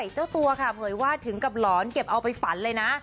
เจ้าตัวเผยว่าถึงกับร้อนเอาไปฝัน